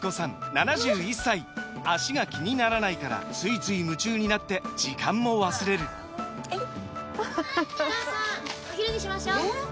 ７１歳脚が気にならないからついつい夢中になって時間も忘れるお母さんお昼にしましょうえー